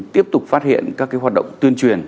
tiếp tục phát hiện các hoạt động tuyên truyền